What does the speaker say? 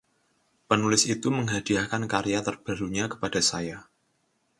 Penulis itu menghadiahkan karya terbarunya kepada saya.